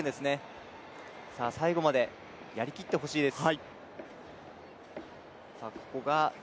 最後までやりきってほしいです。